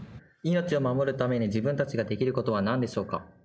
命を守るために自分たちができることは何でしょうか？